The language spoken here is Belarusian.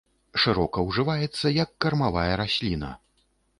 Шырока ўжываецца як кармавая расліна.